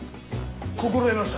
心得ました。